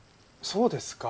そうですか。